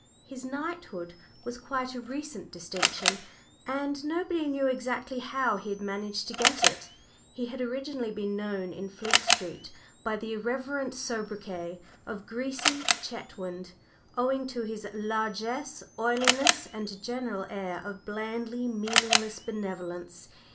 His knighthood was quite a recent distinction, and nobody knew exactly how he had managed to get it. He had originally been known in Fleet Street by the irreverent sobriquet of "greasy Chetwynd," owing to his largeness, oiliness and general air of blandly meaningless benevolence.